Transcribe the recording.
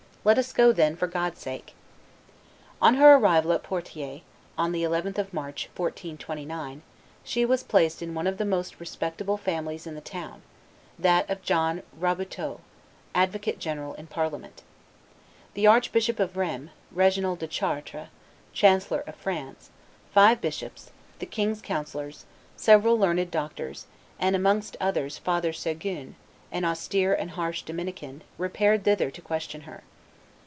Let us go, then, for God's sake." On her arrival at Poitiers, on the 11th of March, 1429, she was placed in one of the most respectable families in the town, that of John Rabuteau, advocate general in parliament. The Archbishop of Rheims, Reginald de Chartres, Chancellor of France, five bishops, the king's councillors, several learned doctors, and amongst others Father Seguin, an austere and harsh Dominican, repaired thither to question her.